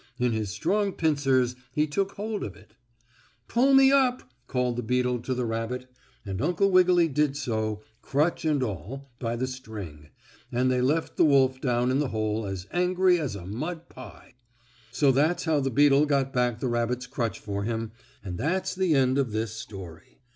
In his strong pincers he took hold of it. "Pull me up!" called the beetle to the rabbit, and Uncle Wiggily did so, crutch and all, by the string, and they left the wolf down in the hole as angry as a mud pie. So that's how the beetle got back the rabbit's crutch for him, and that's the end of this story.